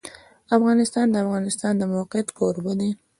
افغانستان د د افغانستان د موقعیت کوربه دی.